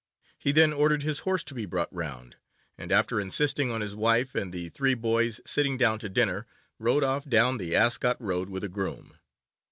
He then ordered his horse to be brought round, and, after insisting on his wife and the three boys sitting down to dinner, rode off down the Ascot Road with a groom.